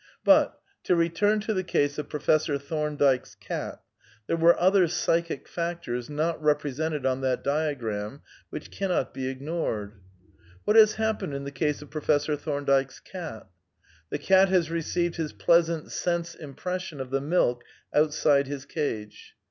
V But — to return to the case of Professor Thomdike's cat — there were other psychic factors, not represented on that diagram, which cannot be ignored. What has happened in the case of Professor Thomdike's cat? The cat has received his pleasant sense impression of the milk outside his cage.